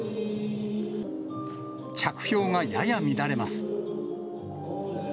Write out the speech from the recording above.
着氷がやや乱れます。